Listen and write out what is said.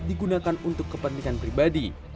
digunakan untuk kepentingan pribadi